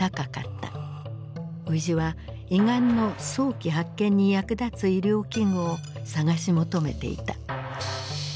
宇治は胃がんの早期発見に役立つ医療器具を探し求めていた。